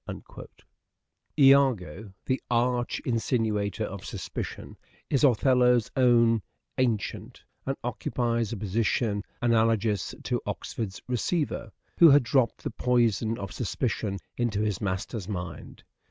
lago, the arch insinuator of suspicion, is Othello's own " ancient," and occupies a position analogous to Oxford's " receiver," who had dropped the poison of suspicion into his master's mind.